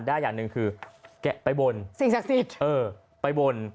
อย่างหนึ่งคือแกะไปบนสิ่งศักดิ์สิทธิ์เออไปบน